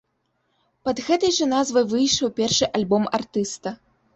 Пад гэтай жа назвай выйшаў першы альбом артыста.